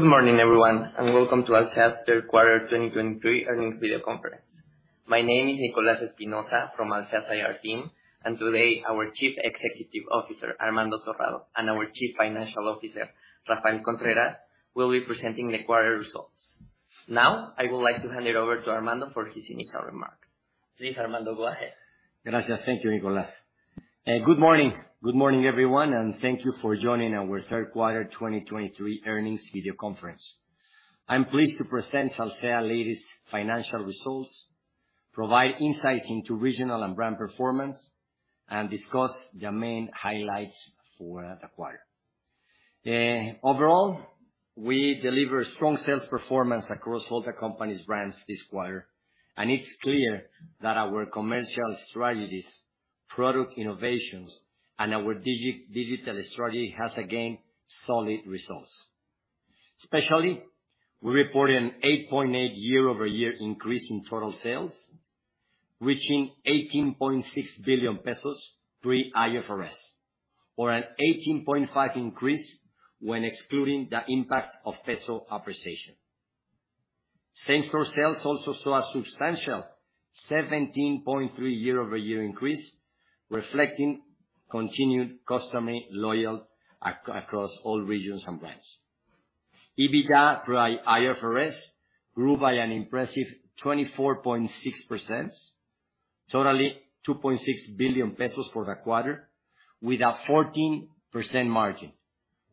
Good morning, everyone, and welcome to Alsea's third quarter 2023 earnings video conference. My name is Nicolás Espinosa from Alsea's IR team, and today, our Chief Executive Officer, Armando Torrado, and our Chief Financial Officer, Rafael Contreras, will be presenting the quarter results. Now, I would like to hand it over to Armando for his initial remarks. Please, Armando, go ahead. Gracias. Thank you, Nicolás. Good morning. Good morning, everyone, and thank you for joining our third quarter 2023 earnings video conference. I'm pleased to present Alsea latest financial results, provide insights into regional and brand performance, and discuss the main highlights for the quarter. Overall, we delivered strong sales performance across all the company's brands this quarter, and it's clear that our commercial strategies, product innovations, and our digital strategy has again, solid results. Especially, we reported an 8.8% year-over-year increase in total sales, reaching 18.6 billion pesos pre-IFRS, or an 18.5% increase when excluding the impact of peso appreciation. Same-store sales also saw a substantial 17.3% year-over-year increase, reflecting continued customer loyalty across all regions and brands. EBITDA pre-IFRS grew by an impressive 24.6%, totaling 2.6 billion pesos for the quarter, with a 14% margin,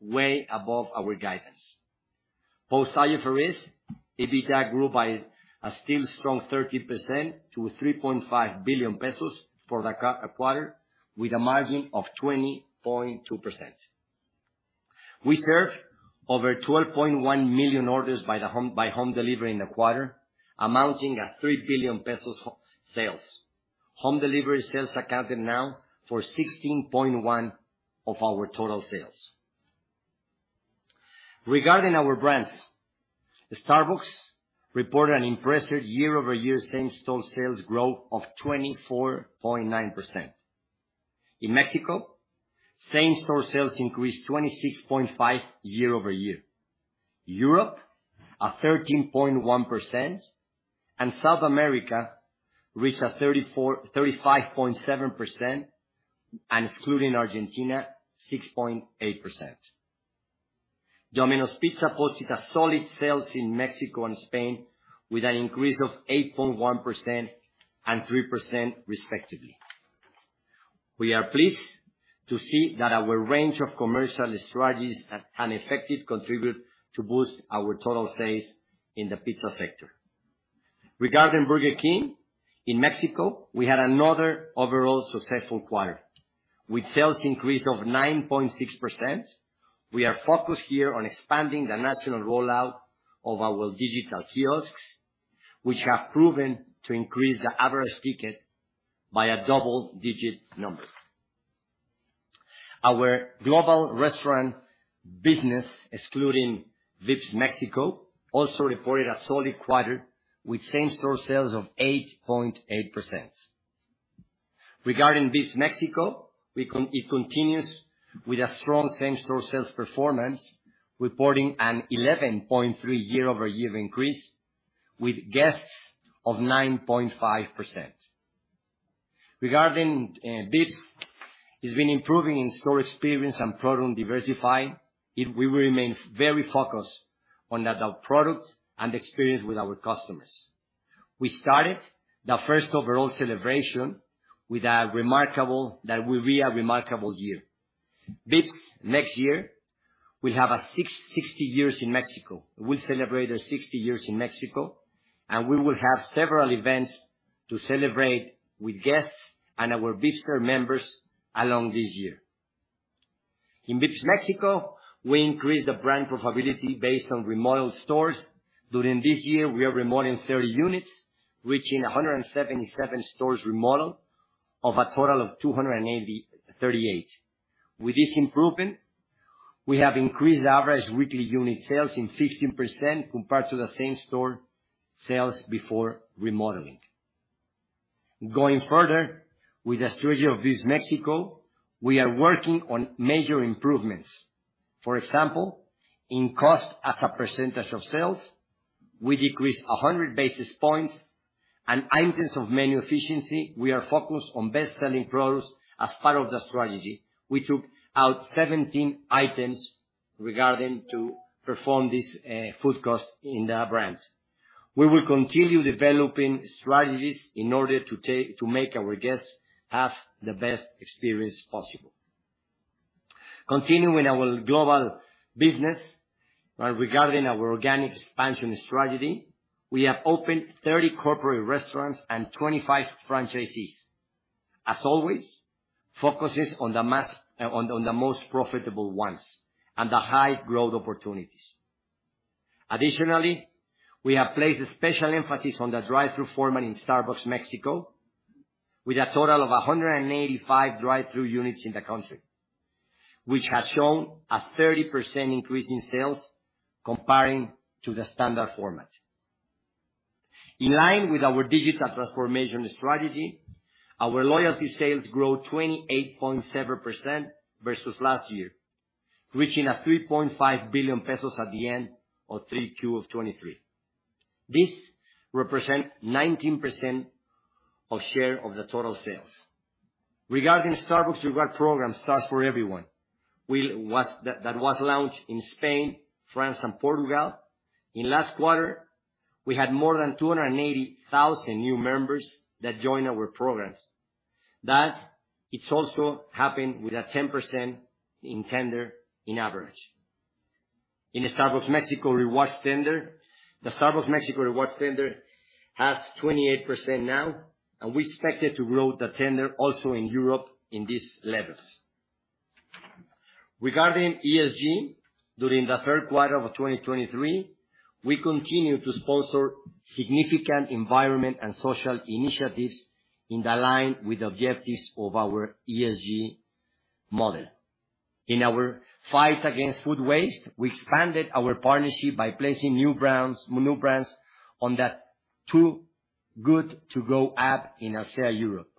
way above our guidance. Post-IFRS, EBITDA grew by a still strong 13% to 3.5 billion pesos for the quarter, with a margin of 20.2%. We served over 12.1 million orders by home delivery in the quarter, amounting to 3 billion pesos in sales. Home delivery sales accounted now for 16.1% of our total sales. Regarding our brands, Starbucks reported an impressive year-over-year same-store sales growth of 24.9%. In Mexico, same-store sales increased 26.5% year-over-year. Europe, 13.1%, and South America reached 35.7%, and excluding Argentina, 6.8%. Domino's Pizza posted a solid sales in Mexico and Spain with an increase of 8.1% and 3%, respectively. We are pleased to see that our range of commercial strategies are effective and contribute to boost our total sales in the pizza sector. Regarding Burger King, in Mexico, we had another overall successful quarter. With sales increase of 9.6%, we are focused here on expanding the national rollout of our digital kiosks, which have proven to increase the average ticket by a double-digit number. Our global restaurant business, excluding Vips Mexico, also reported a solid quarter, with same-store sales of 8.8%. Regarding Vips Mexico, it continues with a strong same-store sales performance, reporting an 11.3% year-over-year increase with guests of 9.5%. Regarding Vips, it's been improving in-store experience and product diversifying. We remain very focused on the products and experience with our customers. We started the first overall celebration with a remarkable... That will be a remarkable year. Vips, next year, will have 60 years in Mexico. We'll celebrate their 60 years in Mexico, and we will have several events to celebrate with guests and our Vipster members along this year. In Vips Mexico, we increased the brand profitability based on remodeled stores. During this year, we are remodeling 30 units, reaching 177 stores remodeled of a total of 238. With this improvement, we have increased the average weekly unit sales in 15% compared to the same-store sales before remodeling. Going further with the strategy of Vips Mexico, we are working on major improvements. For example, in cost as a percentage of sales, we decreased 100 basis points and items of menu efficiency, we are focused on best-selling products as part of the strategy. We took out 17 items regarding to perform this food cost in the brand. We will continue developing strategies in order to to make our guests have the best experience possible. Continuing our global business, regarding our organic expansion strategy, we have opened 30 corporate restaurants and 25 franchisees. As always, focuses on the on the most profitable ones and the high growth opportunities. Additionally, we have placed a special emphasis on the drive-thru format in Starbucks Mexico, with a total of 185 drive-thru units in the country, which has shown a 30% increase in sales comparing to the standard format. In line with our digital transformation strategy, our loyalty sales grew 28.7% versus last year, reaching 3.5 billion pesos at the end of Q3 of 2023. This represent 19% of share of the total sales. Regarding Starbucks Reward program, Stars for Everyone, that was launched in Spain, France, and Portugal. In last quarter, we had more than 280,000 new members that joined our programs. That it's also happened with a 10% in tender in average. In the Starbucks Mexico Rewards tender, the Starbucks Mexico Rewards tender has 28% now, and we expect it to grow the tender also in Europe in these levels. Regarding ESG, during the third quarter of 2023, we continued to sponsor significant environment and social initiatives in line with objectives of our ESG model. In our fight against food waste, we expanded our partnership by placing new brands, new brands, on the Too Good To Go app in Alsea Europe.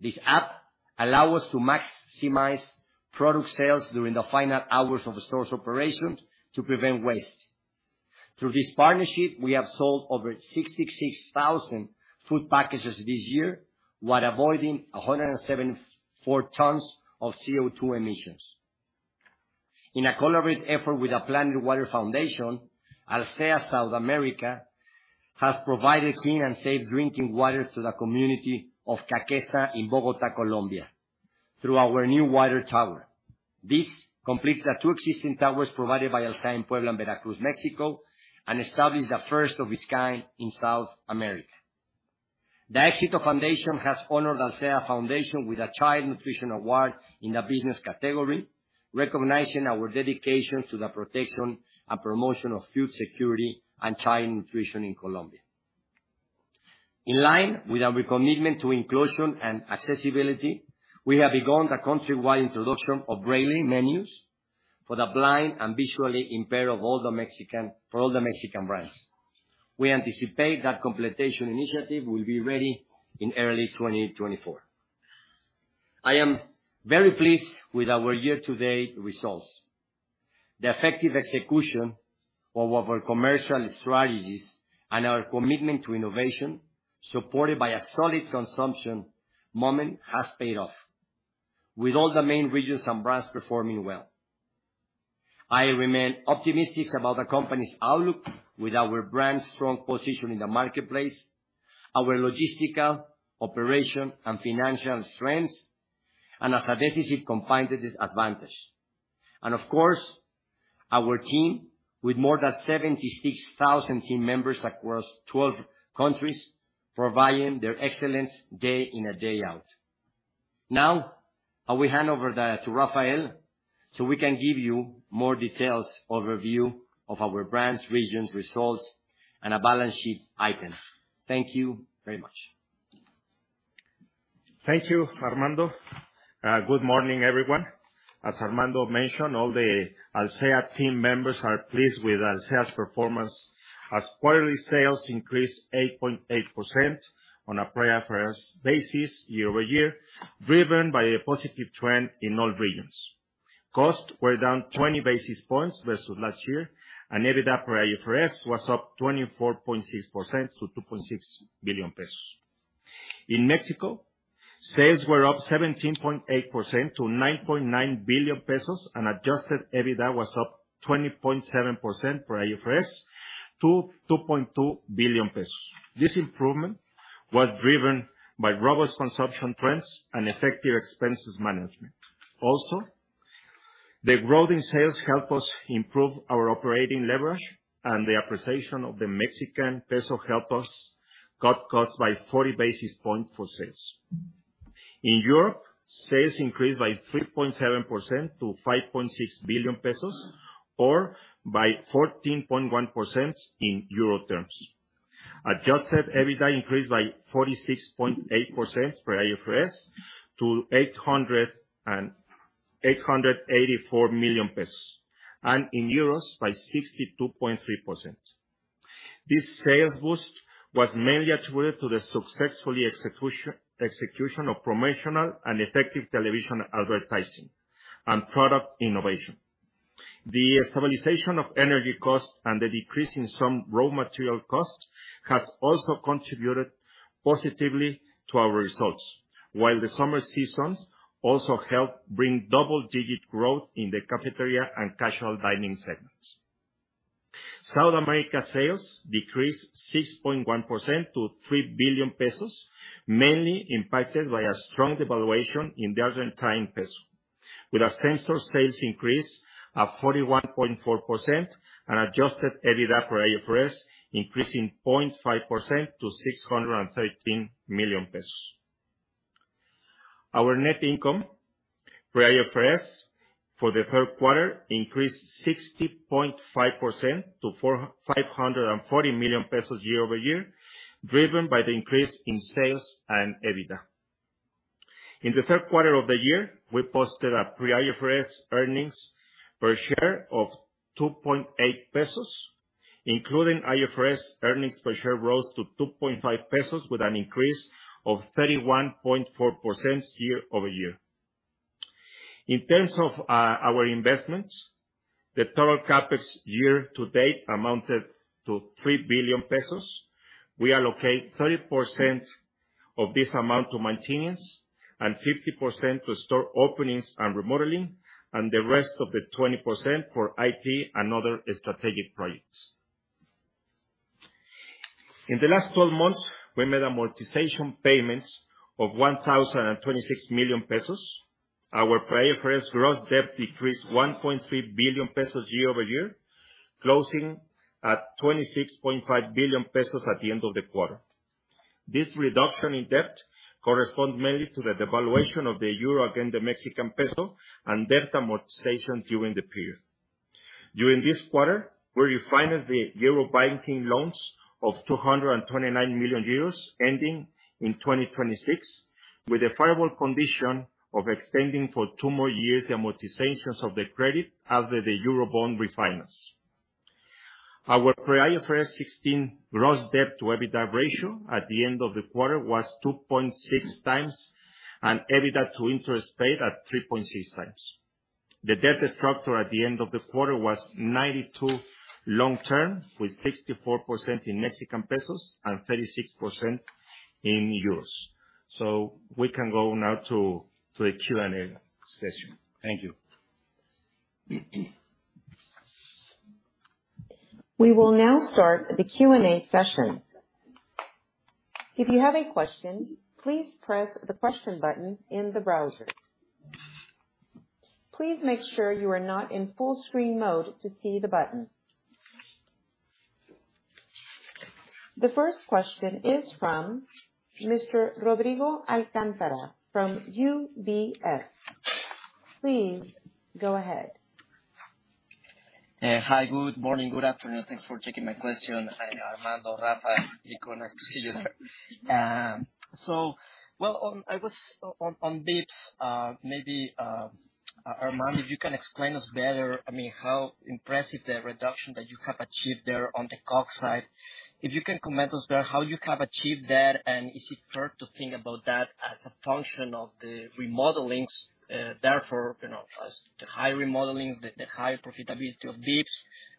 This app allow us to maximize product sales during the final hours of a store's operations to prevent waste. Through this partnership, we have sold over 66,000 food packages this year, while avoiding 174 tons of CO2 emissions. In a collaborative effort with the Planet Water Foundation, Alsea South America has provided clean and safe drinking water to the community of Cáqueza in Bogotá, Colombia, through our new water tower. This completes the two existing towers provided by Alsea in Puebla and Veracruz, Mexico, and establishes a first of its kind in South America. The Éxito Foundation has honored Alsea Foundation with a Child Nutrition Award in the business category, recognizing our dedication to the protection and promotion of food security and child nutrition in Colombia. In line with our commitment to inclusion and accessibility, we have begun the country-wide introduction of braille menus for the blind and visually impaired of all the Mexican brands. We anticipate that completion initiative will be ready in early 2024. I am very pleased with our year-to-date results. The effective execution of our commercial strategies and our commitment to innovation, supported by a solid consumption moment, has paid off, with all the main regions and brands performing well. I remain optimistic about the company's outlook with our brand's strong position in the marketplace, our logistical, operation, and financial strengths, and as a decisive competitive advantage. Of course, our team, with more than 76,000 team members across 12 countries, providing their excellence day in and day out. Now, I will hand over to Rafael, so we can give you more details, overview of our brands, regions, results, and a balance sheet items. Thank you very much. Thank you, Armando. Good morning, everyone. As Armando mentioned, all the Alsea team members are pleased with Alsea's performance, as quarterly sales increased 8.8% on a prior IFRS basis, year-over year, driven by a positive trend in all regions. Costs were down 20 basis points versus last year, and EBITDA for IFRS was up 24.6% to 2.6 billion pesos. In Mexico, sales were up 17.8% to 9.9 billion pesos, and Adjusted EBITDA was up 20.7% for IFRS to 2.2 billion pesos. This improvement was driven by robust consumption trends and effective expenses management. Also, the growth in sales helped us improve our operating leverage, and the appreciation of the Mexican peso helped us cut costs by 40 basis points for sales. In Europe, sales increased by 3.7% to 5.6 billion pesos, or by 14.1% in euro terms. Adjusted EBITDA increased by 46.8% for IFRS to 884 million pesos, and in euros, by 62.3%. This sales boost was mainly attributed to the successful execution of promotional and effective television advertising and product innovation. The stabilization of energy costs and the decrease in some raw material costs has also contributed positively to our results, while the summer seasons also helped bring double-digit growth in the cafeteria and casual dining segments. South America sales decreased 6.1% to 3 billion pesos, mainly impacted by a strong devaluation in the Argentine peso, with same-store sales increase of 41.4% and Adjusted EBITDA for IFRS increasing 0.5% to 613 million pesos. Our net income for IFRS for the third quarter increased 60.5% to 4,540 million pesos year-over-year, driven by the increase in sales and EBITDA. In the third quarter of the year, we posted a pre-IFRS earnings per share of 2.8 pesos, including IFRS earnings per share rose to 2.5 pesos with an increase of 31.4% year-over-year. In terms of, our investments, the total CapEx year to date amounted to 3 billion pesos. We allocate 30% of this amount to maintenance, and 50% to store openings and remodeling, and the rest of the 20% for IT and other strategic projects. In the last twelve months, we made amortization payments of 1,026 million pesos. Our pre-IFRS gross debt decreased 1.3 billion pesos year-over-year, closing at 26.5 billion pesos at the end of the quarter. This reduction in debt corresponds mainly to the devaluation of the euro against the Mexican peso and debt amortization during the period. During this quarter, we refinanced the euro banking loans of 229 million euros, ending in 2026, with a forward condition of extending for two more years the amortizations of the credit after the Eurobond refinance. Our pre-IFRS 16 gross debt to EBITDA ratio at the end of the quarter was 2.6 times, and EBITDA to interest paid at 3.6 times. The debt structure at the end of the quarter was 92 long term, with 64% in MXN and 36% in EUR. So we can go now to the Q&A session. Thank you. We will now start the Q&A session. If you have any questions, please press the Question button in the browser. Please make sure you are not in full screen mode to see the button. The first question is from Mr. Rodrigo Alcantara from UBS. Please go ahead. Hi, good morning, good afternoon. Thanks for taking my question. Hi, Armando, Rafa, nice to see you there. So, well, on, I was on, on Vips, maybe, Armando, if you can explain us better, I mean, how impressive the reduction that you have achieved there on the cost side. If you can comment us there, how you have achieved that, and is it fair to think about that as a function of the remodelings, therefore, you know, as the high remodelings, the high profitability of Vips,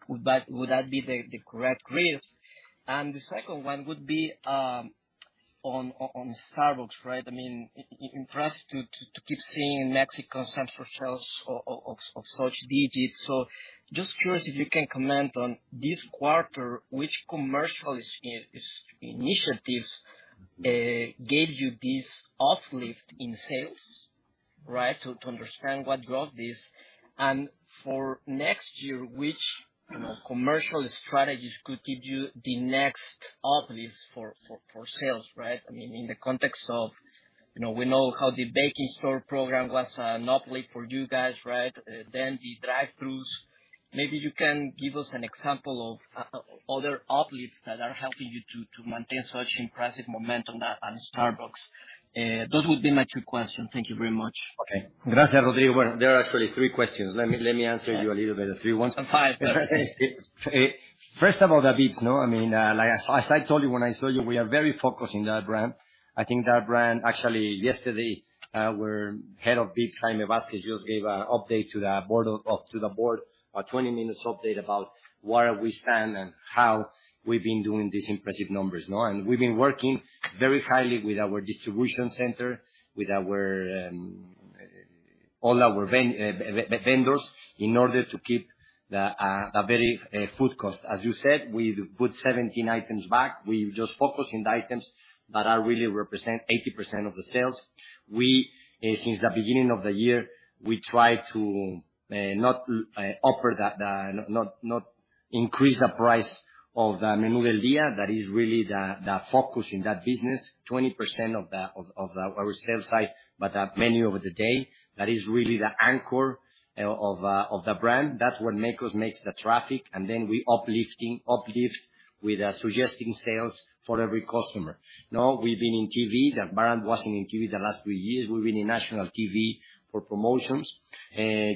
would that be the correct read? And the second one would be, on Starbucks, right? I mean, impressed to keep seeing Mexico same for sales of such digits. So just curious, if you can comment on this quarter, which commercial initiatives gave you this uplift in sales, right? To understand what drove this. And for next year, which, you know, commercial strategies could give you the next uplift for sales, right? I mean, in the context of, you know, we know how the baking store program was an uplift for you guys, right? Then the drive-throughs. Maybe you can give us an example of other uplifts that are helping you to maintain such impressive momentum at, on Starbucks. Those would be my two questions. Thank you very much. Okay. Gracias, Rodrigo. Well, there are actually three questions. Let me, let me answer you a little bit of three ones. Five. First of all, the Vips, no? I mean, like as I told you, when I saw you, we are very focused in that brand. I think that brand... Actually, yesterday, the head of Vips, Jaime Vázquez, just gave an update to the board, to the board, a 20-minute update about where we stand and how we've been doing these impressive numbers, no? And we've been working very highly with our distribution center, with our all our vendors, in order to keep the very food cost. As you said, we put 17 items back. We just focus in the items that are really represent 80% of the sales. Since the beginning of the year, we try to not upper the, not increase the price of the Menú del Día. That is really the focus in that business. 20% of our sales side, but the menu of the day, that is really the anchor of the brand. That's what makes the traffic, and then we uplifting, uplift with suggesting sales for every customer. Now, we've been in TV. The brand wasn't in TV the last three years. We've been in national TV for promotions.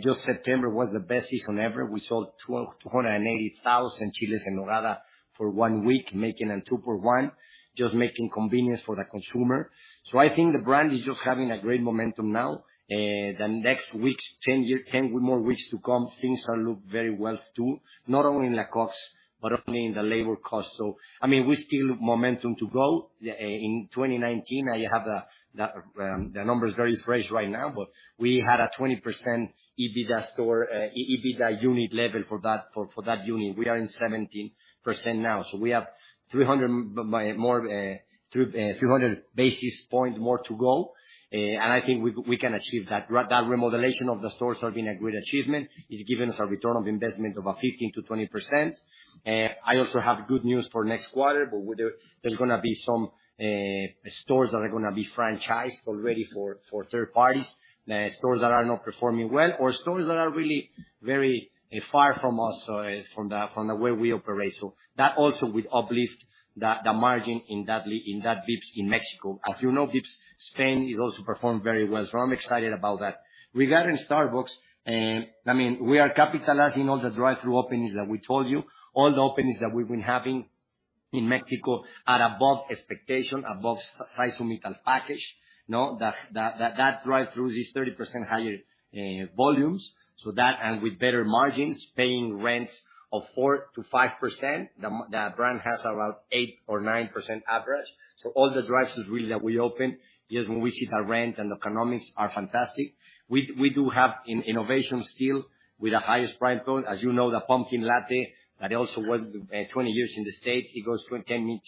Just September was the best season ever. We sold 280,000 Chiles en Nogada for one week, making a 2-for-1, just making convenience for the consumer. So I think the brand is just having a great momentum now. The next weeks, ten more weeks to come, things are look very well, too. Not only in the costs, but only in the labor cost. So, I mean, we still have momentum to go. In 2019, I have the numbers very fresh right now, but we had a 20% EBITDA store-level for that unit. We are in 17% now, so we have 300 basis point more to go. And I think we can achieve that. That remodeling of the stores have been a great achievement. It's given us a return on investment of about 15%-20%. I also have good news for next quarter, but with the... There's gonna be some stores that are gonna be franchised already for third parties. Stores that are not performing well, or stores that are really very far from us, from the way we operate. So that also will uplift the margin in that Vips in Mexico. As you know, Vips, Spain, it also performed very well. So I'm excited about that. Regarding Starbucks, I mean, we are capitalizing on the drive-through openings that we told you. All the openings that we've been having in Mexico are above expectation, above seasonal package. No, that drive-through is 30% higher volumes. So that, and with better margins, paying rents of 4%-5%, the brand has around 8% or 9% average. So all the drive-thrus that we open, yes, we see the rent and economics are fantastic. We do have innovation still with the highest brand tone, as you know, the pumpkin latte, that also worked 20 years in the States, it goes 10 years,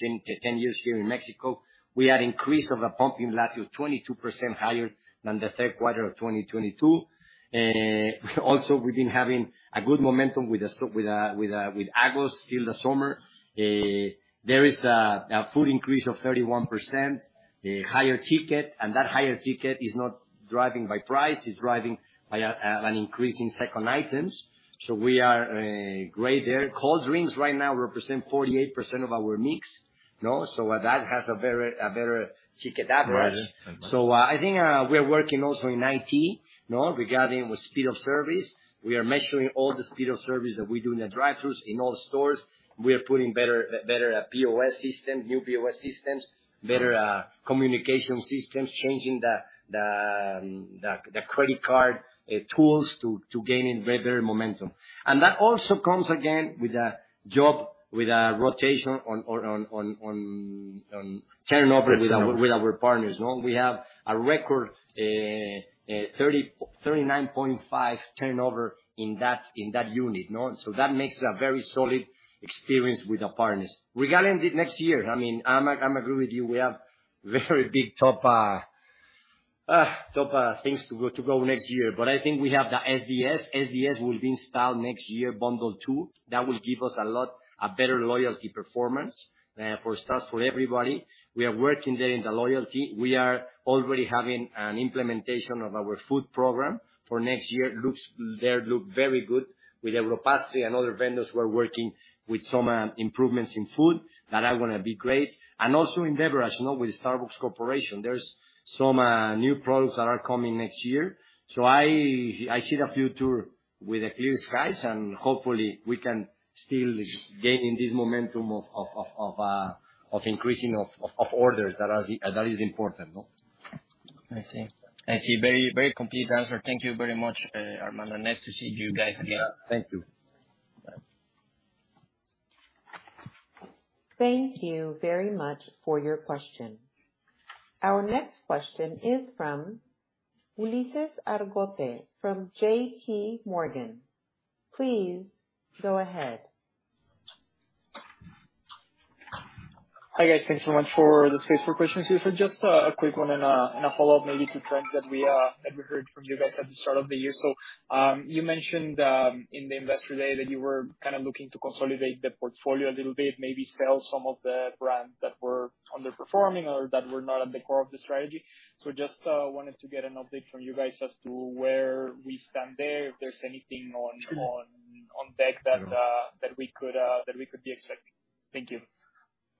10 years here in Mexico. We had increase of the pumpkin latte of 22% higher than the third quarter of 2022. Also, we've been having a good momentum with the so- with with August, still the summer. There is a food increase of 31%, a higher ticket, and that higher ticket is not driving by price, it's driving by a an increase in second items. So we are great there. Cold drinks right now represent 48% of our mix, no? So that has a very a better ticket average. Right. So, I think we are working also in IT, no? Regarding speed of service. We are measuring all the speed of service that we do in the drive-throughs in all stores. We are putting better POS system, new POS systems, better communication systems, changing the credit card tools to gain in very better momentum. And that also comes again with a job, with a rotation on turnover with our partners, no? We have a record 39.5 turnover in that unit, no? So that makes a very solid experience with our partners. Regarding the next year, I mean, I'm agree with you. We have very big top, top things to go, to go next year. But I think we have the SDS. SDS will be installed next year, Bundle 2. That will give us a lot, a better loyalty performance, for Stars for Everyone. We are working there in the loyalty. We are already having an implementation of our food program for next year. Looks, there look very good with Europastry and other vendors who are working with some, improvements in food that are gonna be great. And also in beverage, as you know, with Starbucks Corporation, there's some, new products that are coming next year. So I, I see the future with clear skies, and hopefully we can still gain in this momentum of, of, of, of, of increasing of, of, of orders. That is, that is important, no? I see. I see. Very, very complete answer. Thank you very much, Armando. Nice to see you guys again. Thank you. Thank you very much for your question. Our next question is from Ulises Argote from J.P. Morgan. Please go ahead. Hi, guys. Thanks so much for the space for questions here. So just a quick one and a follow-up maybe to trends that we heard from you guys at the start of the year. So you mentioned in the Investor Day that you were kind of looking to consolidate the portfolio a little bit, maybe sell some of the brands that were underperforming or that were not at the core of the strategy. So just wanted to get an update from you guys as to where we stand there, if there's anything on deck that we could be expecting. Thank you.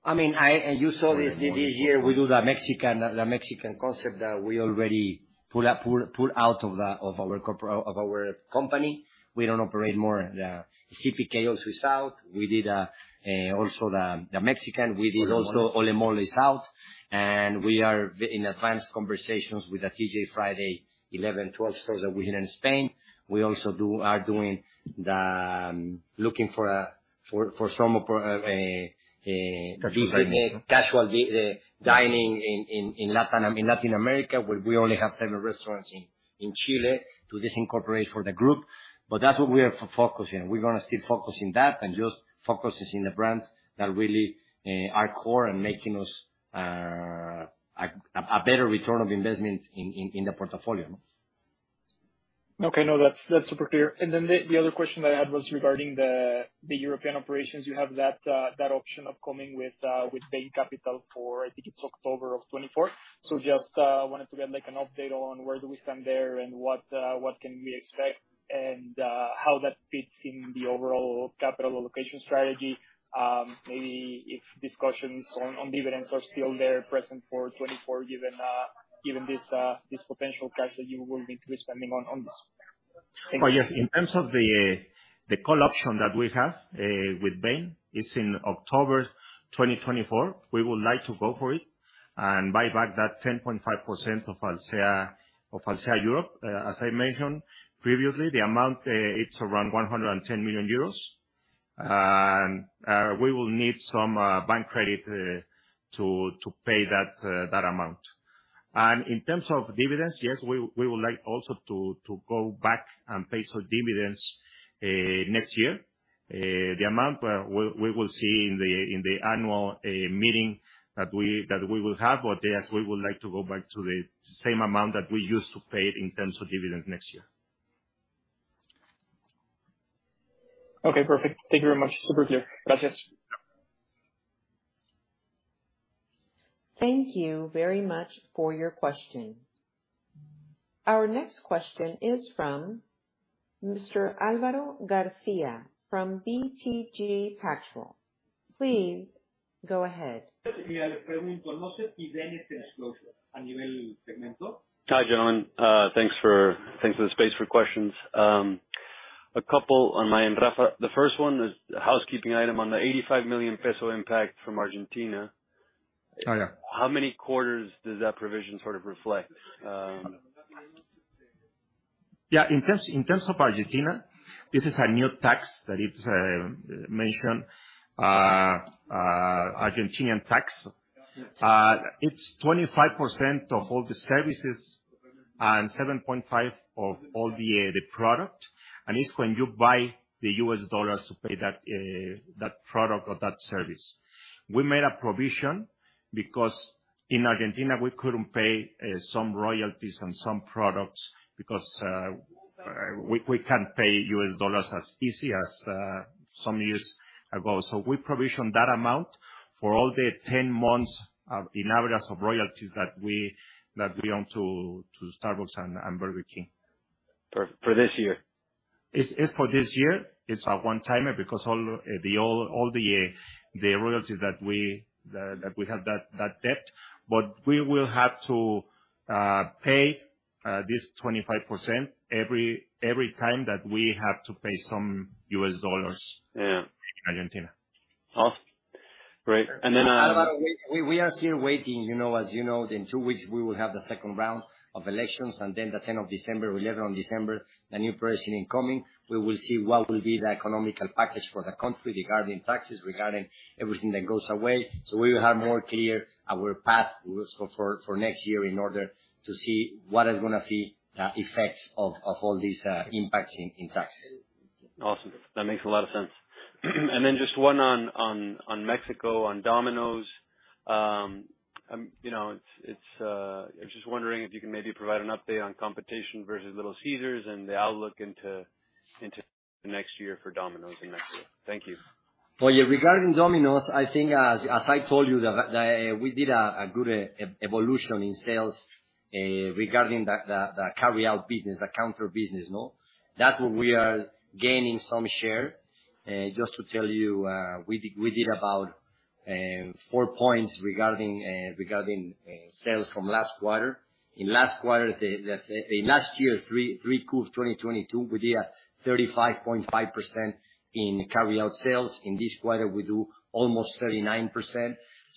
I mean, you saw this year, we do the Mexican concept that we already pull out of our company. We don't operate more the CPK; also is out. We did also the Mexican. We did also Ole Mole is out, and we are in advanced conversations with the TGI Fridays, 11, 12 stores that we have in Spain. We also are doing the looking for some of casual dining in Latin America, where we only have seven restaurants in Chile, to disincorporate for the group. But that's what we are focusing. We're gonna still focus in that and just focusing in the brands that really are core and making us a better return of investment in the portfolio. Okay. No, that's super clear. And then the other question that I had was regarding the European operations. You have that option of coming with Bain Capital for, I think it's October of 2024. So just wanted to get, like, an update on where we stand there, and what can we expect? And how that fits in the overall capital allocation strategy. Maybe if discussions on dividends are still present for 2024, given this potential cash that you will need to be spending on this. Oh, yes. In terms of the call option that we have with Bain, it's in October 2024. We would like to go for it and buy back that 10.5% of Alsea, of Alsea Europe. As I mentioned previously, the amount, it's around 110 million euros. And we will need some bank credit to pay that amount. And in terms of dividends, yes, we would like also to go back and pay some dividends next year. The amount, we will see in the annual meeting that we will have. But yes, we would like to go back to the same amount that we used to pay in terms of dividends next year. Okay, perfect. Thank you very much. Super clear. Gracias. Thank you very much for your question. Our next question is from Mr. Alvaro Garcia from BTG Pactual. Please go ahead. Hi, John. Thanks for, thanks for the space for questions. A couple on my end, Rafa. The first one is a housekeeping item on the 85 million peso impact from Argentina. Oh, yeah. How many quarters does that provision sort of reflect? Yeah, in terms, in terms of Argentina, this is a new tax that it's mentioned, Argentine tax. It's 25% of all the services and 7.5% of all the, the product. And it's when you buy the US dollars to pay that, that product or that service. We made a provision because in Argentina, we couldn't pay some royalties on some products because we, we can't pay US dollars as easy as some years ago. So we provisioned that amount for all the 10 months of, in average, of royalties that we, that we own to, to Starbucks and, and Burger King. For this year? It's, it's for this year. It's a one-timer because all the royalties that we have that debt. But we will have to pay this 25% every time that we have to pay some US dollars- Yeah. - in Argentina. Awesome. Great. And then, We are still waiting, you know, as you know, in two weeks, we will have the second round of elections, and then the 10th of December, we have on December, the new president coming. We will see what will be the economic package for the country regarding taxes, regarding everything that goes away. So we will have more clear our path for next year in order to see what is gonna be the effects of all these impacts in taxes. Awesome. That makes a lot of sense. And then just one on Mexico, on Domino's. You know, I was just wondering if you can maybe provide an update on competition versus Little Caesars and the outlook into the next year for Domino's in Mexico. Thank you. Oh, yeah. Regarding Domino's, I think as I told you, we did a good evolution in sales regarding the carryout business, the counter business, no? That's where we are gaining some share. Just to tell you, we did about four points regarding sales from last quarter. In last quarter, the last year, 3Q of 2022, we did a 35.5% in carryout sales. In this quarter, we do almost 39%.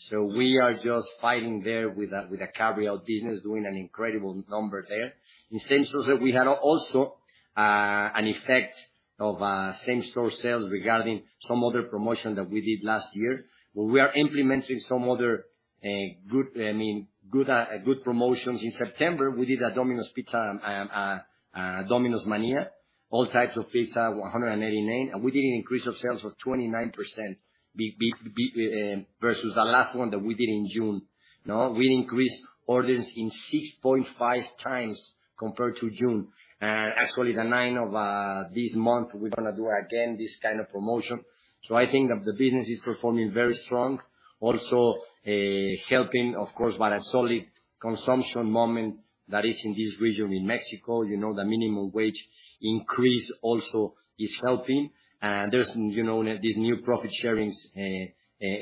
So we are just fighting there with a carryout business, doing an incredible number there. In same stores, we had also an effect of same store sales regarding some other promotion that we did last year. But we are implementing some other good, I mean, good promotions. In September, we did a Domino's Pizza Domino's Mania, all types of pizza, 189, and we did an increase of sales of 29% versus the last one that we did in June, no? We increased orders 6.5 times compared to June. And actually, the 9th of this month, we're gonna do again this kind of promotion. So I think that the business is performing very strong. Also, helping, of course, by a solid consumption moment that is in this region in Mexico. You know, the minimum wage increase also is helping. There's, you know, this new profit-sharing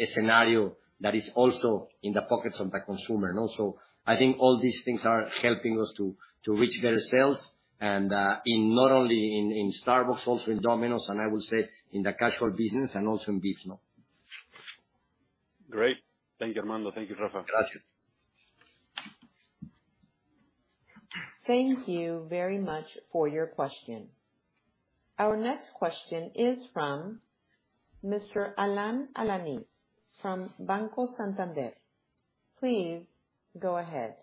scenario that is also in the pockets of the consumer. And also, I think all these things are helping us to reach better sales and in not only Starbucks, also in Domino's, and I will say in the casual business and also in Vips, no? Great. Thank you, Armando. Thank you, Rafa. Gracias. Thank you very much for your question. Our next question is from Mr. Alan Alanis from Banco Santander. Please go ahead.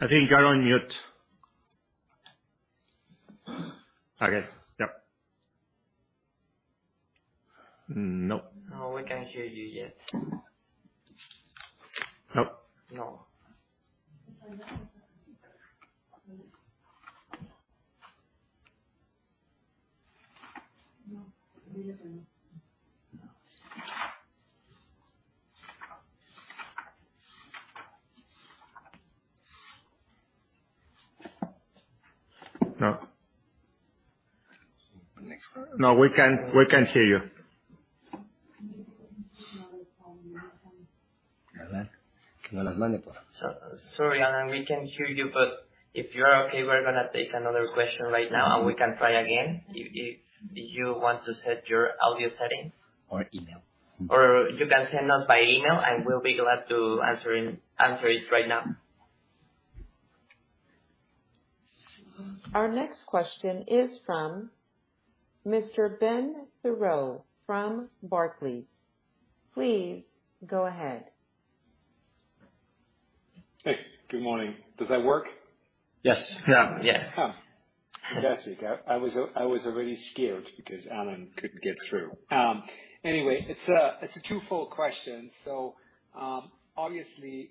I think you're on mute. Okay. Yep. No. No, we can't hear you yet. Nope. No. No. Next one. No, we can, we can hear you. So, sorry, Alan, we can hear you, but if you're okay, we're gonna take another question right now, and we can try again. If you want to set your audio settings? Or email. Or you can send us by email, and we'll be glad to answer it right now. Our next question is from Mr. Ben Theurer from Barclays. Please go ahead. Hey, good morning. Does that work? Yes. Yeah. Yes. Ah, fantastic. I was really scared because Alan couldn't get through. Anyway, it's a twofold question. So, obviously,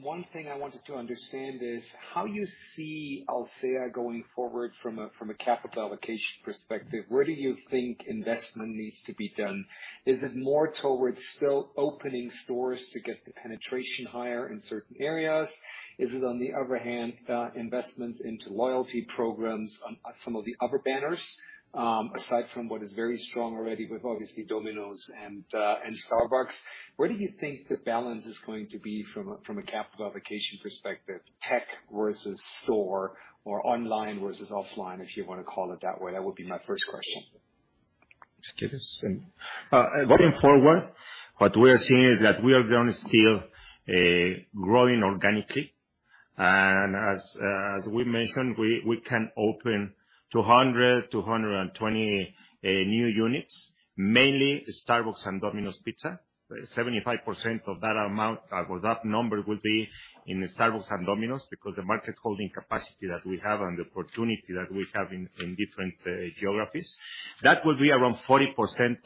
one thing I wanted to understand is: How do you see Alsea going forward from a capital allocation perspective? Where do you think investment needs to be done? Is it more towards still opening stores to get the penetration higher in certain areas? Is it, on the other hand, investment into loyalty programs on some of the other banners, aside from what is very strong already with, obviously, Domino's and Starbucks? Where do you think the balance is going to be from a capital allocation perspective, tech versus store or online versus offline, if you want to call it that way? That would be my first question. Going forward, what we are seeing is that we are going to still growing organically. And as as we mentioned, we we can open 200, 220 new units, mainly Starbucks and Domino's Pizza. 75% of that amount or that number will be in the Starbucks and Domino's, because the market holding capacity that we have and the opportunity that we have in different geographies, that will be around 40%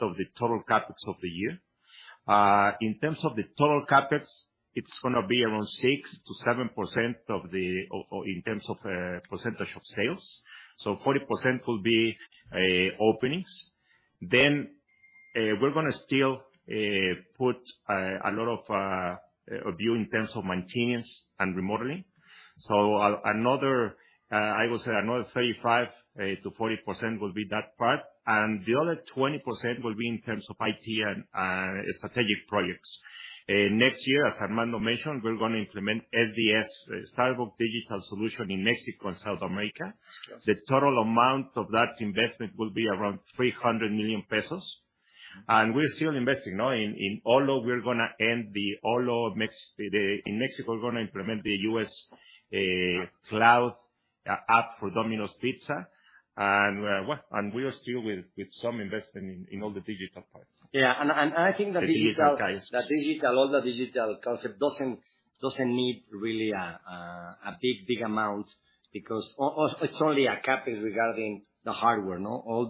of the total CapEx of the year. In terms of the total CapEx, it's gonna be around 6%-7% of the or in terms of percentage of sales. So 40% will be openings. Then, we're gonna still put a lot of view in terms of maintenance and remodeling. So another, I would say another 35%-40% will be that part, and the other 20% will be in terms of IT and strategic projects. Next year, as Armando mentioned, we're gonna implement SDS, Starbucks Digital Solution in Mexico and South America. The total amount of that investment will be around 300 million pesos, and we're still investing, no? In Olo, we're gonna end the Olo Mexico—in Mexico, we're gonna implement the U.S. cloud app for Domino's Pizza. And well, and we are still with some investment in all the digital parts. Yeah, and I think the digital- The digital guys. The digital, all the digital concept doesn't need really a big amount, because it's only a CapEx regarding the hardware, no? All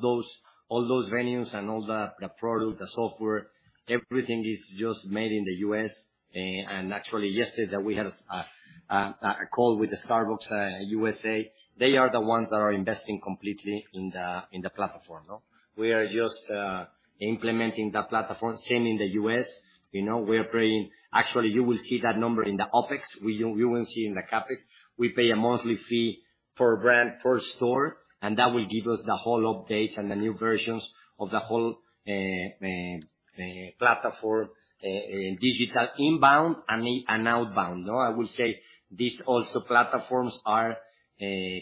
those venues and all the product, the software, everything is just made in the U.S. And actually, yesterday we had a call with the Starbucks USA. They are the ones that are investing completely in the platform, no? We are just implementing the platform, same in the U.S., you know, we are paying... Actually, you will see that number in the OpEx. You will see in the CapEx, we pay a monthly fee per brand, per store, and that will give us the whole updates and the new versions of the whole platform, digital inbound and outbound, no? I will say, these also platforms are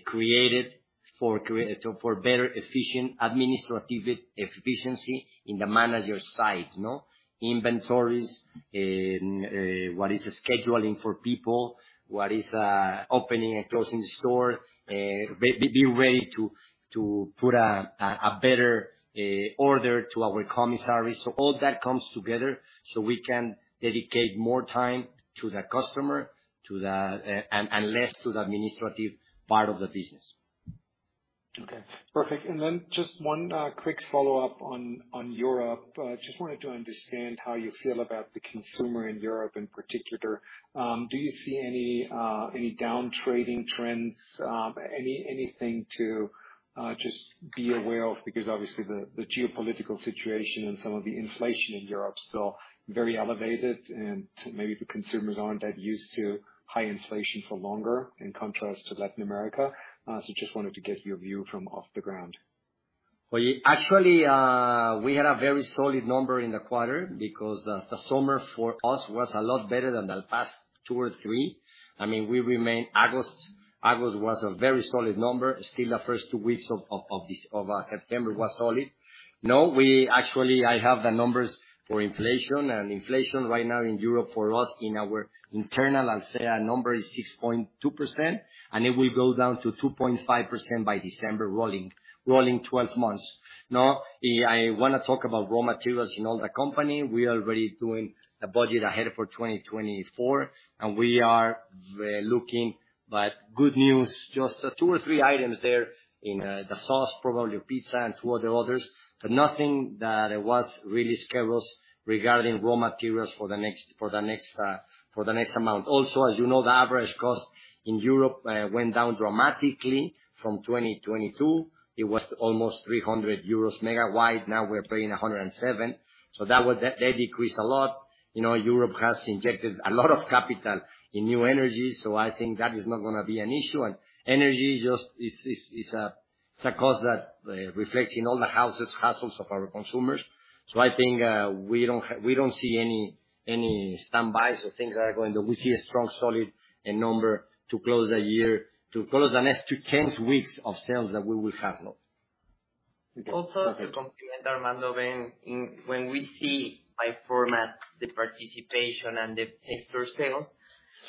created for better efficient, administrative efficiency in the manager side, no? Inventories, what is scheduling for people, what is opening and closing the store, be ready to put a better order to our commissary. So all that comes together, so we can dedicate more time to the customer and less to the administrative part of the business. Okay, perfect. And then just one quick follow-up on Europe. Just wanted to understand how you feel about the consumer in Europe in particular. Do you see any down trading trends, anything to just be aware of? Because obviously, the geopolitical situation and some of the inflation in Europe, still very elevated, and maybe the consumers aren't that used to high inflation for longer, in contrast to Latin America. So just wanted to get your view from off the ground. Well, actually, we had a very solid number in the quarter, because the summer for us was a lot better than the past two or three. I mean, we remain... August, August was a very solid number. Still, the first two weeks of this September was solid. Now, we -- actually, I have the numbers for inflation, and inflation right now in Europe for us, in our internal, I'll say, number is 6.2%, and it will go down to 2.5% by December, rolling twelve months, no? I wanna talk about raw materials in all the company. We are already doing a budget ahead for 2024, and we are looking. But good news, just two or three items there in the sector, probably pizza and two others, but nothing that really scares regarding raw materials for the next months. Also, as you know, the average cost in Europe went down dramatically from 2022. It was almost 300 EUR/MW, now we're paying 107. So that was, they decreased a lot. You know, Europe has injected a lot of capital in new energy, so I think that is not gonna be an issue. And energy just is a cost that reflects in all the households of our consumers. So I think we don't see any headwinds or things that are going down. We see a strong, solid, number to close the year, to close the next 2-10 weeks of sales that we will have, no? Also, to complement Armando, when we see by format the participation and the ticket sales,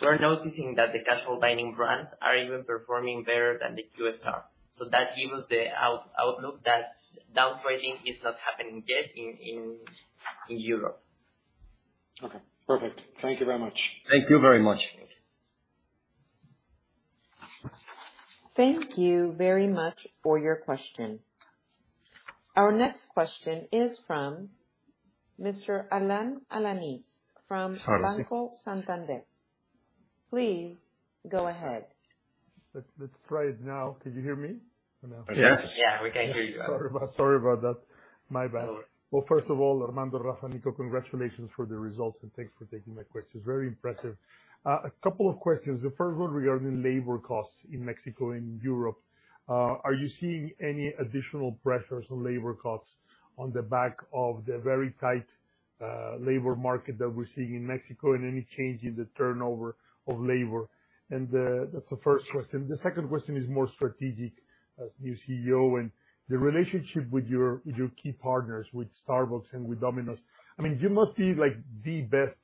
we're noticing that the casual dining brands are even performing better than the QSR. So that gives the outlook that downgrading is not happening yet in Europe. Okay, perfect. Thank you very much. Thank you very much. Thank you. Thank you very much for your question. Our next question is from Mr. Alan Alanis, from Banco Santander. Please go ahead. Let's, let's try it now. Can you hear me now? Yes. Yeah, we can hear you. Sorry about, sorry about that. My bad. No worry. Well, first of all, Armando, Rafa, Nico, congratulations for the results, and thanks for taking my questions. Very impressive. A couple of questions. The first one regarding labor costs in Mexico and Europe. Are you seeing any additional pressures on labor costs on the back of the very tight labor market that we're seeing in Mexico, and any change in the turnover of labor? And that's the first question. The second question is more strategic, as new CEO and the relationship with your, with your key partners, with Starbucks and with Domino's. I mean, you must be, like, the best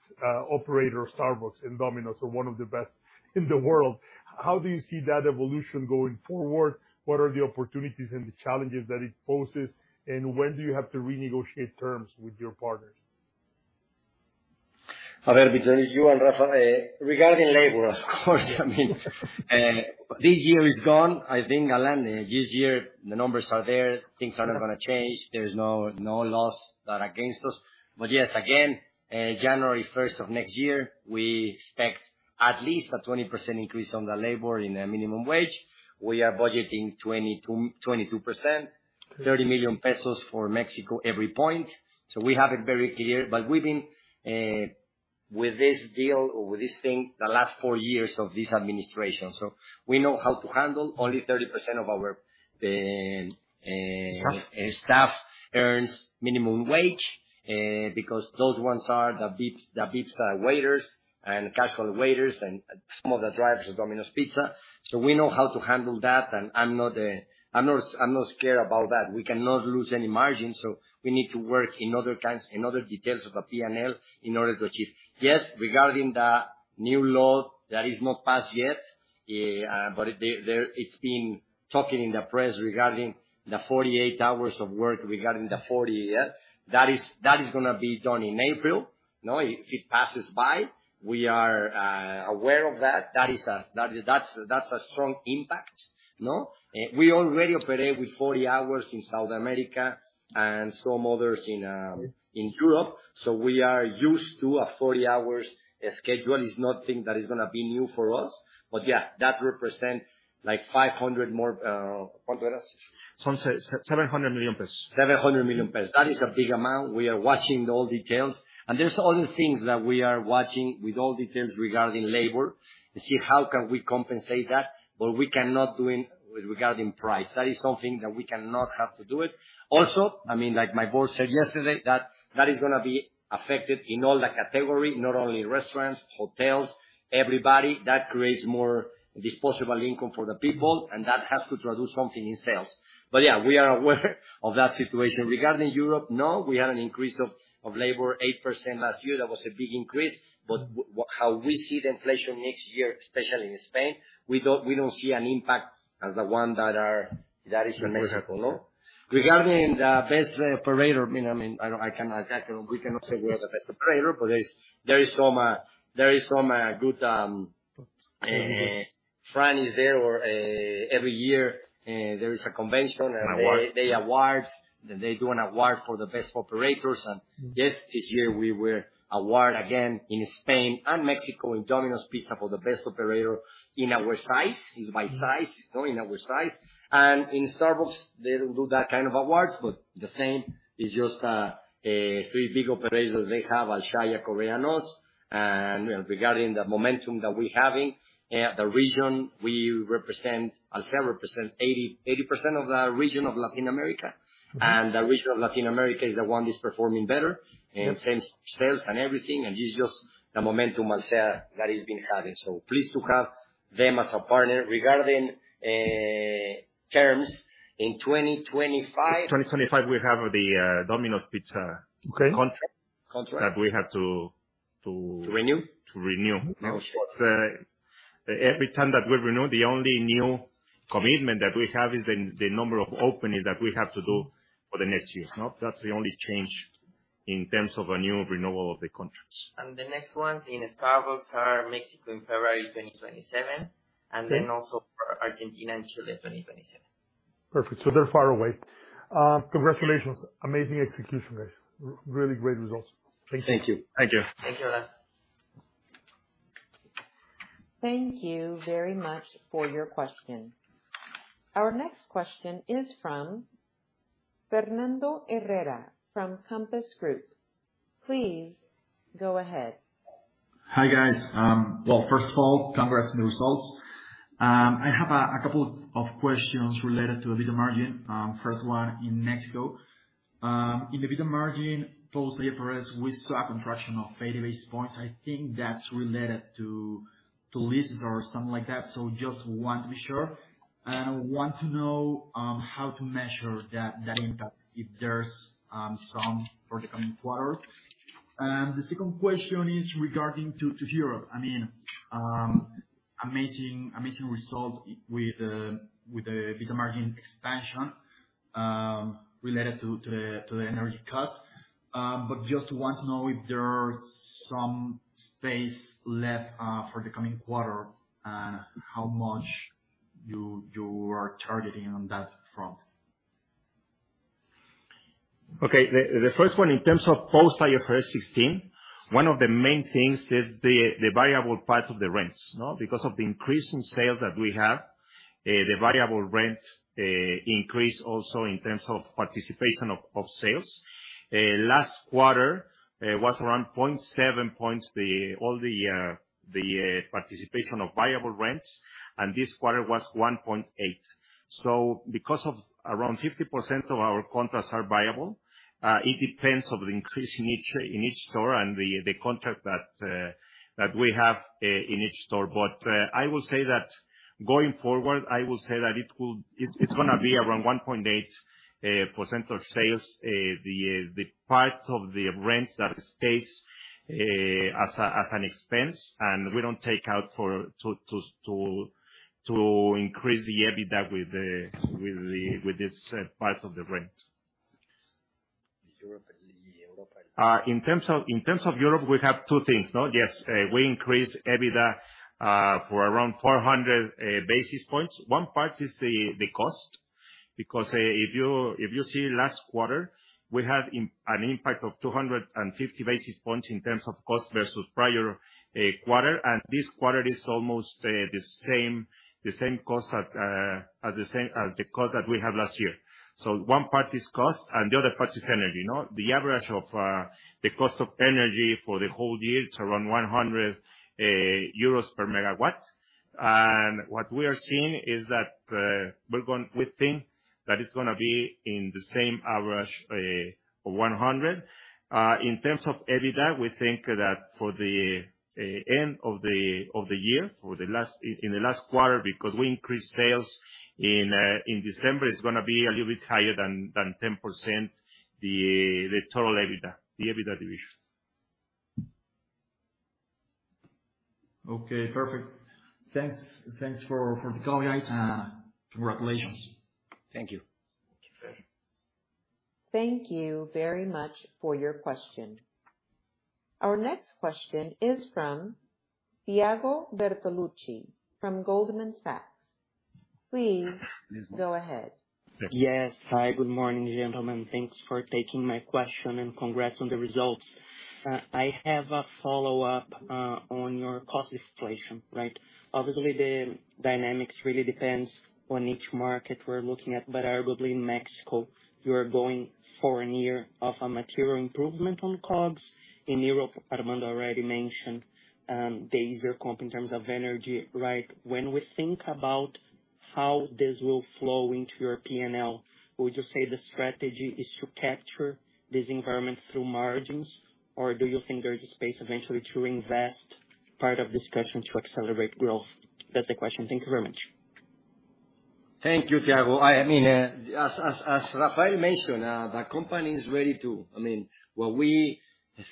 operator of Starbucks and Domino's, or one of the best in the world. How do you see that evolution going forward? What are the opportunities and the challenges that it poses? And when do you have to renegotiate terms with your partners? Javier between you and Rafa, regarding labor, of course, I mean, this year is gone. I think, Alan, this year, the numbers are there, things are not gonna change. There's no, no laws that are against us. But yes, again, January first of next year, we expect at least a 20% increase on the labor in the minimum wage. We are budgeting 22, 22%, 30 million pesos for Mexico every point. So we have it very clear. But we've been, with this deal or with this thing, the last four years of this administration, so we know how to handle. Only 30% of our, Staff. Staff earns minimum wage, because those ones are the Vips, the Vips, waiters and casual waiters, and some of the drivers of Domino's Pizza. So we know how to handle that, and I'm not, I'm not, I'm not scared about that. We cannot lose any margin, so we need to work in other details of a PNL in order to achieve. Yes, regarding the new law that is not passed yet, but it, there, there, it's been talking in the press regarding the 48 hours of work, regarding the 40, yeah. That is, that is gonna be done in April. No, if it passes by, we are aware of that. That is a, that is, that's, that's a strong impact, no? We already operate with 40 hours in South America and some others in, in Europe, so we are used to a 40 hours schedule. It's nothing that is gonna be new for us. But yeah, that represent, like, 500 more, Some 700 million pesos. 700 million pesos. That is a big amount. We are watching all details. And there's other things that we are watching with all details regarding labor, to see how can we compensate that, but we cannot do in with regarding price. That is something that we cannot have to do it. Also, I mean, like my board said yesterday, that is gonna be affected in all the category, not only restaurants, hotels, everybody. That creates more disposable income for the people, and that has to produce something in sales. But yeah, we are aware of that situation. Regarding Europe, now, we had an increase of labor 8% last year. That was a big increase, but how we see the inflation next year, especially in Spain, we don't see an impact as the one that is in Mexico, no? Regarding the best operator, I mean, I don't, I cannot, we cannot say we are the best operator, but there is some good friends there, or, every year, there is a convention. An award. The awards, they do an award for the best operators, and- Mm-hmm. Yes, this year we were awarded again in Spain and Mexico, in Domino's Pizza, for the best operator in our size. It's by size, you know, in our size. And in Starbucks they don't do that kind of awards, but the same, it's just three big operators they have, Alsea, Koreans. And regarding the momentum that we're having, the region we represent, Alsea represent 80, 80% of the region of Latin America. Mm-hmm. The region of Latin America is the one that's performing better- Yes. in terms of sales and everything, and this is just the momentum Alsea that has been having. So pleased to have them as a partner. Regarding terms, in 2025- 2025, we have the, Domino's Pizza- Okay. - contract. Contract. That we have to, To renew? - to renew. Oh, sure. But, every time that we renew, the only new commitment that we have is the number of openings that we have to do for the next years, no? That's the only change in terms of a new renewal of the contracts. The next ones in Starbucks are in Mexico in February 2027- Okay. and then also Argentina and Chile, 2027. Perfect. So they're far away. Congratulations. Amazing execution, guys. Really great results. Thank you. Thank you. Thank you. Thank you, Alan. Thank you very much for your question. Our next question is from Fernando Herrera from Compass Group. Please go ahead. Hi, guys. Well, first of all, congrats on the results. I have a couple of questions related to the EBITDA margin. First one, in Mexico. In the EBITDA margin for Starbucks, we saw a contraction of 80 basis points. I think that's related to leases or something like that, so just want to be sure and want to know how to measure that impact, if there's some for the coming quarters. The second question is regarding to Europe. I mean, amazing result with the EBITDA margin expansion, related to the energy cost. But just want to know if there are some space left for the coming quarter, how much you are targeting on that front? Okay, the first one, in terms of post IFRS 16, one of the main things is the variable part of the rents, no? Because of the increase in sales that we have, the variable rent increased also in terms of participation of sales. Last quarter was around 0.7 points, the participation of variable rent, and this quarter was 1.8. So because of around 50% of our contracts are variable, it depends on the increase in each store and the contract that we have in each store. But, I will say that going forward, I will say that it will—it's, it's gonna be around 1.8% of sales, the part of the rent that stays as an expense, and we don't take out for to increase the EBITDA with this part of the rent. In terms of Europe, we have two things, no? Yes, we increased EBITDA for around 400 basis points. One part is the, the cost, because, if you, if you see last quarter, we had an impact of 250 basis points in terms of cost versus prior quarter, and this quarter is almost, the same, the same cost as, as the same, as the cost that we had last year. So one part is cost, and the other part is energy, no? The average of, the cost of energy for the whole year to around 100 euros per megawatt. And what we are seeing is that, we think that it's gonna be in the same average, 100. In terms of EBITDA, we think that for the end of the year, for the last quarter, because we increased sales in December, it's gonna be a little bit higher than 10%, the total EBITDA, the EBITDA division. Okay, perfect. Thanks, thanks for, for the call, guys, and congratulations. Thank you. Thank you very much for your question. Our next question is from Thiago Bortoluci from Goldman Sachs. Please go ahead. Yes. Hi, good morning, gentlemen. Thanks for taking my question, and congrats on the results. I have a follow-up on your cost inflation, right? Obviously, the dynamics really depends on each market we're looking at, but probably in Mexico, you are going for a year of a material improvement on COGS. In Europe, Armando already mentioned the easier comp in terms of energy, right? When we think about how this will flow into your P&L, would you say the strategy is to capture this environment through margins, or do you think there is a space eventually to invest part of this cash in to accelerate growth? That's the question. Thank you very much. Thank you, Thiago. I mean, as Rafael mentioned, the company is ready to... I mean, what we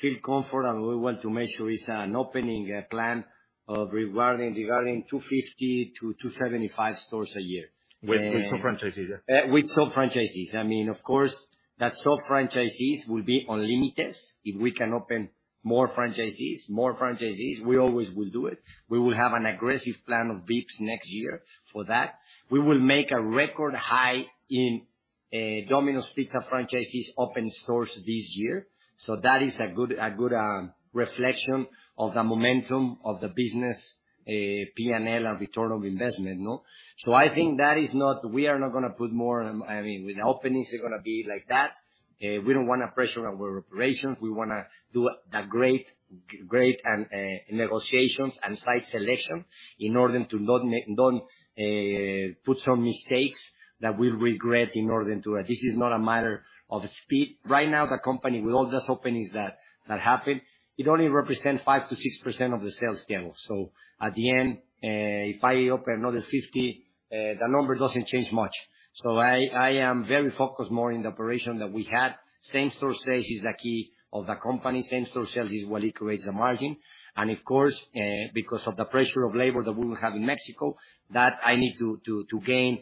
feel comfortable, and we want to make sure it's an opening plan regarding 250-275 stores a year. With store franchises, yeah. With store franchises. I mean, of course, that store franchises will be on limitless. If we can open more franchises, more franchises, we always will do it. We will have an aggressive plan of Vips next year for that. We will make a record high in Domino's Pizza franchises open stores this year, so that is a good, a good reflection of the momentum of the business, P&L and return of investment, no? So I think that is not—we are not gonna put more. I mean, with openings, they're gonna be like that. We don't wanna pressure our operations. We wanna do a great, great and negotiations and site selection in order to not make, don't put some mistakes that we'll regret in order to. This is not a matter of speed. Right now, the company, with all those openings that happened, it only represents 5%-6% of the sales channel. So at the end, if I open another 50, the number doesn't change much. So I am very focused more in the operation that we had. Same-store sales is the key of the company. Same-store sales is what creates the margin, and of course, because of the pressure of labor that we will have in Mexico, that I need to gain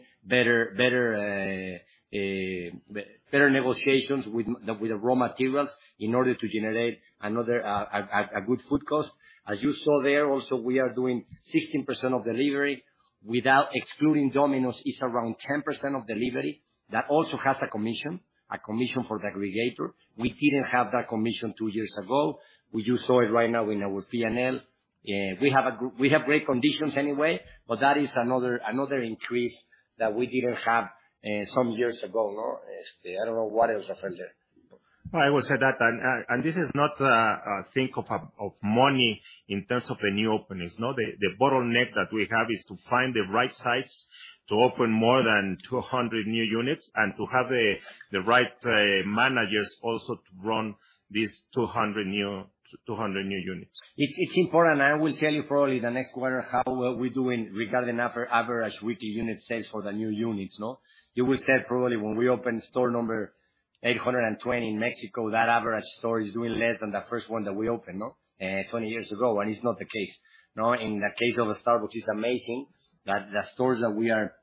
better negotiations with the raw materials in order to generate a good food cost. As you saw there, also, we are doing 16% of delivery. Without excluding Domino's, it's around 10% of delivery. That also has a commission for the aggregator. We didn't have that commission two years ago. We just saw it right now in our P&L. We have great conditions anyway, but that is another, another increase that we didn't have some years ago, no? Este, I don't know what else, Rafael. I will say that, and this is not a thing of money in terms of the new openings, no? The bottleneck that we have is to find the right sites to open more than 200 new units and to have the right managers also to run these 200 new, 200 new units. It's important, and I will tell you probably the next quarter, how well we're doing regarding our average weekly unit sales for the new units, no? You will say probably when we open store number 820 in Mexico, that average store is doing less than the first one that we opened, no? 20 years ago, and it's not the case, no? In the case of a Starbucks, it's amazing that the stores that we are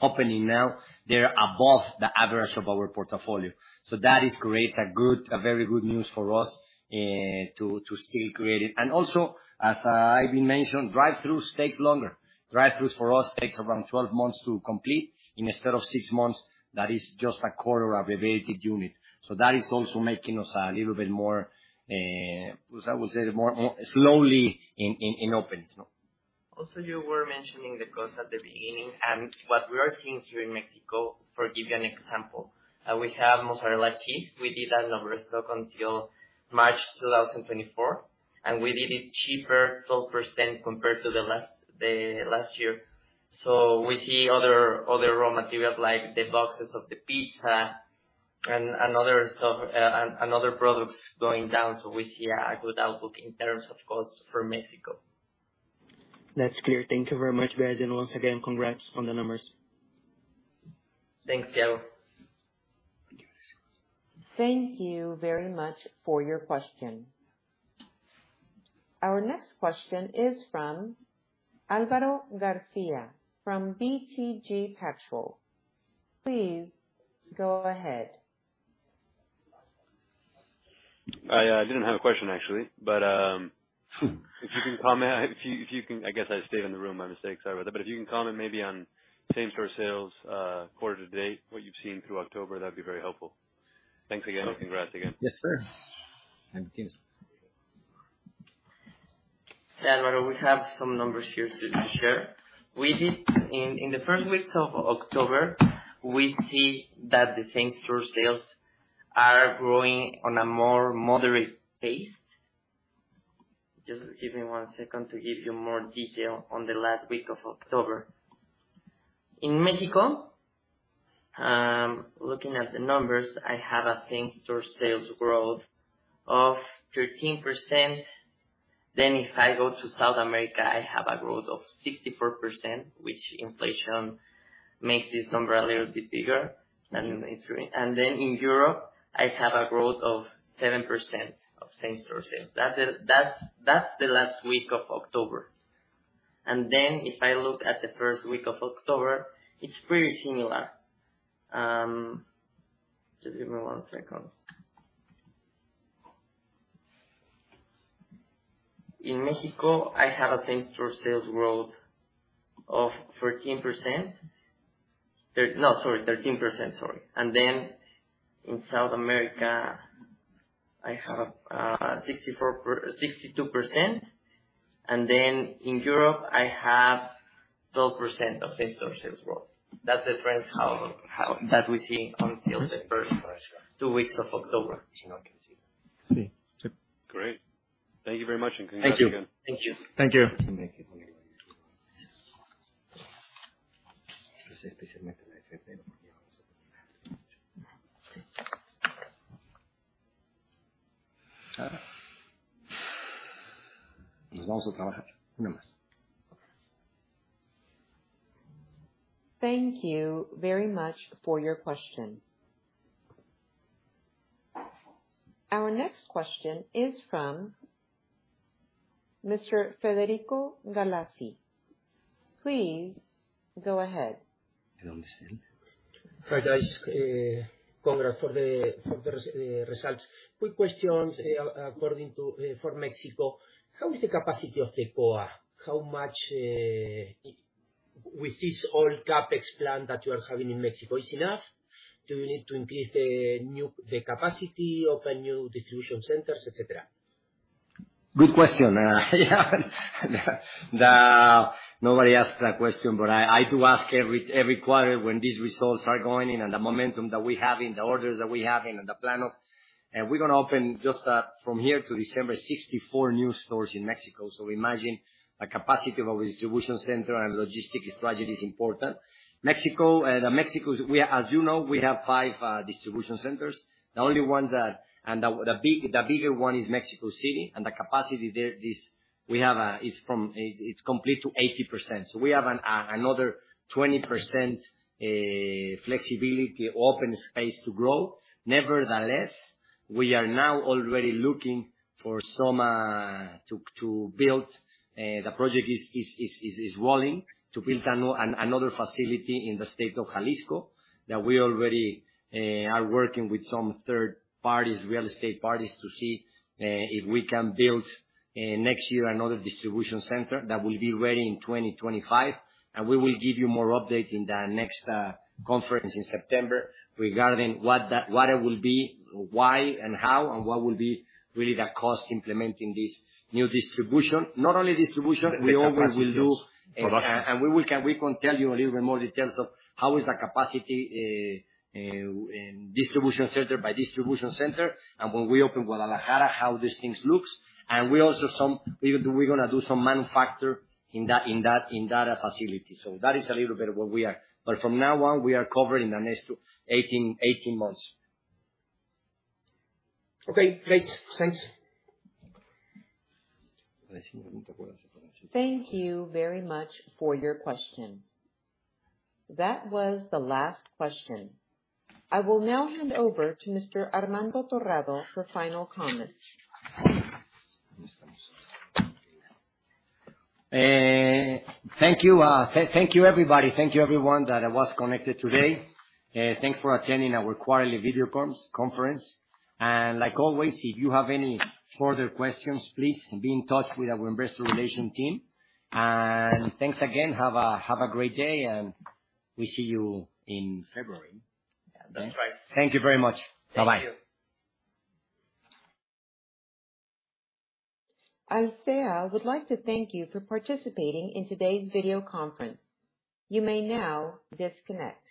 opening now, they are above the average of our portfolio. So that is great, a good, a very good news for us, to still create it. And also, as I've been mentioned, drive-throughs takes longer. Drive-throughs for us takes around 12 months to complete, instead of 6 months, that is just a quarter of the rated unit. That is also making us a little bit more, as I would say, more slowly in openings. Also, you were mentioning the cost at the beginning, and what we are seeing here in Mexico, to give you an example, we have mozzarella cheese. We did that in stock until March 2024, and we did it cheaper, 12%, compared to the last year. So we see other raw materials, like the boxes of the pizza and other stuff, and other products going down. So we see a good outlook in terms of cost for Mexico. That's clear. Thank you very much, guys. Once again, congrats on the numbers. Thanks, Thiago. Thank you very much for your question. Our next question is from Alvaro Garcia from BTG Pactual. Please go ahead. I didn't have a question actually, but if you can comment... If you can... I guess I stayed in the room. My mistake, sorry about that. But if you can comment maybe on same-store sales, quarter-to-date, what you've seen through October, that'd be very helpful. Thanks again, and congrats again. Yes, sir. Thanks. Yeah, Alvaro, we have some numbers here to share. We did in the first weeks of October, we see that the same-store sales are growing on a more moderate pace. Just give me one second to give you more detail on the last week of October. In Mexico, looking at the numbers, I have a same-store sales growth of 13%. Then, if I go to South America, I have a growth of 64%, which inflation makes this number a little bit bigger than it's really. And then in Europe, I have a growth of 7% of same-store sales. That is, that's the last week of October. And then, if I look at the first week of October, it's pretty similar. Just give me one second. In Mexico, I have a same-store sales growth of 13%. No, sorry, 13%, sorry. Then, in South America, I have 62%, and then in Europe, I have 12% of same-store sales growth. That's the trends how that we see until the first two weeks of October, if you not can see. Sí. Great. Thank you very much, and congrats again. Thank you. Thank you. Thank you. Thank you very much for your question. Our next question is from Mr. Federico Galassi. Please go ahead. Hi, guys. Congrats for the, for the, results. Quick questions, according to, for Mexico, how is the capacity of the COA? How much... With this whole CapEx plan that you are having in Mexico, is enough? Do you need to increase the new, the capacity, open new distribution centers, et cetera? Good question. Yeah, nobody asked that question, but I do ask every quarter when these results are going in, and the momentum that we have in the orders that we having, and the plan of. We're gonna open just from here to December, 64 new stores in Mexico. So imagine the capacity of a distribution center and logistics strategy is important. Mexico, Mexico, we are, as you know, we have 5 distribution centers. The only one that, the big, the bigger one is Mexico City, and the capacity there is, we have a, it's from, it, it's complete to 80%. So we have an another 20% flexibility, open space to grow. Nevertheless, we are now already looking for some to build. The project is rolling to build another facility in the state of Jalisco. We already are working with some third parties, real estate parties, to see if we can build next year another distribution center that will be ready in 2025. And we will give you more update in the next conference in September, regarding what that, what it will be, why and how, and what will be really the cost implementing this new distribution. Not only distribution, we also will do- Production. We are going to tell you a little bit more details of how the capacity is in distribution center by distribution center. When we open Guadalajara, how these things look. We also some. We're gonna do some manufacture in that facility. That is a little bit of what we are. But from now on, we are covered in the next 18 months. Okay, great. Thanks. Thank you very much for your question. That was the last question. I will now hand over to Mr. Armando Torrado for final comments. Thank you, everybody. Thank you, everyone, that was connected today. Thanks for attending our quarterly video conference, and like always, if you have any further questions, please be in touch with our investor relations team. Thanks again. Have a great day, and we see you in February. That's right. Thank you very much. Thank you. Bye-bye. I would like to thank you for participating in today's video conference. You may now disconnect.